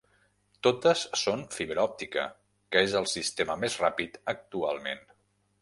Totes són fibra òptica, que és el sistema més ràpid actualment.